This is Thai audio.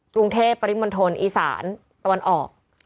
กรุงเทพปริมณฑลอีสานตะวันออก